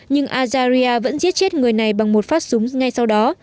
nhưng alzaria vẫn giết chết người này bằng một phát súng ngay sau đó